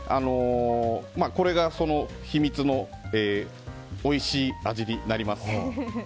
これが、その秘密のおいしい味になります。